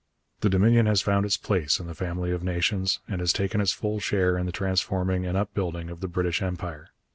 The Dominion has found its place in the family of nations, and has taken its full share in the transforming and upbuilding of the British Empire.